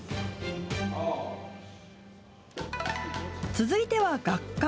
続いては学科。